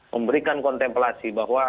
memberikan kontemplasi bahwa